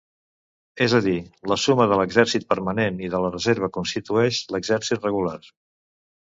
És a dir, la suma de l'exèrcit permanent i de la reserva constitueix l'exèrcit regular.